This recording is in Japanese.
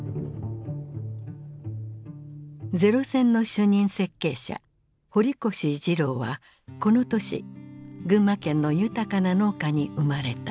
零戦の主任設計者堀越二郎はこの年群馬県の豊かな農家に生まれた。